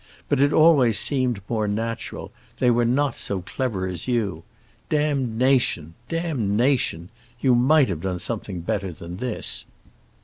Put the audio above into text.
But it always seemed more natural; they were not so clever as you. Damnation—damnation! You might have done something better than this.